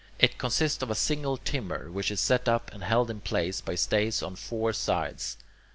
It consists of a single timber, which is set up and held in place by stays on four sides.